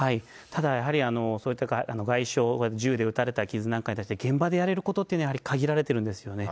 ただ、やはりそういった外傷、銃で撃たれた傷なんかで、現場でやれることというのは限られているんですよね。